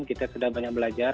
kita sudah banyak belajar